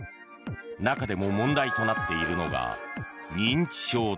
中でも問題となっているのが認知症だ。